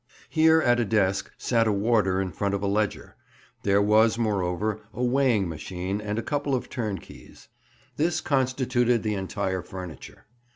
Here, at a desk, sat a warder in front of a ledger; there was, moreover, a weighing machine and a couple of turnkeys. This constituted the entire furniture!